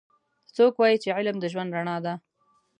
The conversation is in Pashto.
څوک وایي چې علم د ژوند رڼا ده